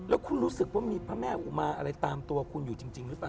แล้วคุณรู้สึกว่ามีพระแม่อุมาอะไรตามตัวคุณอยู่จริงหรือเปล่า